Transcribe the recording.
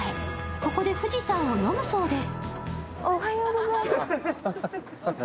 ここで富士山を飲むそうです。